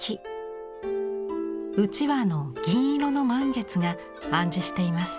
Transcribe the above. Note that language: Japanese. うちわの銀色の満月が暗示しています。